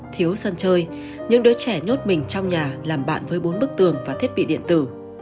thiếu sân chơi những đứa trẻ nhốt mình trong nhà làm bạn với bốn bức tường và thiết bị điện tử